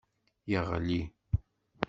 Yeɣli.